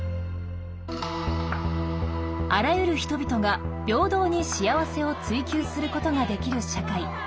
あらゆる人々が平等に幸せを追求することができる社会。